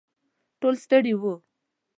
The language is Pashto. ټول ستړي وو.